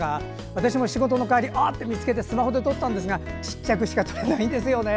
私も仕事の帰りに見つけてスマホで撮ったんですがちっちゃくしか撮れないんですよね。